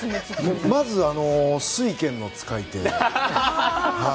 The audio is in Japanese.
まず、酔拳の使い手。